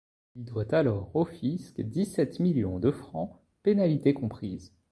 Il doit alors au fisc dix-sept millions de francs, pénalités comprises.